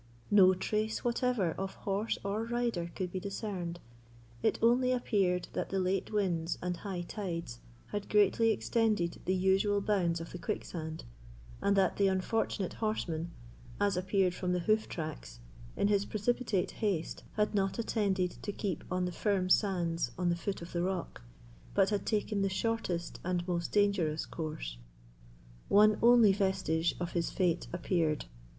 No trace whatever of horse or rider could be discerned; it only appeared that the late winds and high tides had greatly extended the usual bounds of the quicksand, and that the unfortunate horseman, as appeared from the hoof tracks, in his precipitate haste, had not attended to keep on the firm sands on the foot of the rock, but had taken the shortest and most dangerous course. One only vestige of his fate appeared.